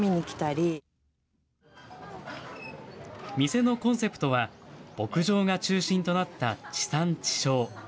店のコンセプトは、牧場が中心となった地産地消。